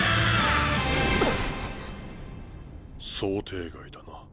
想定外だな。